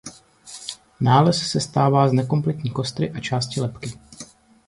Nález sestává z nekompletní kostry a části lebky.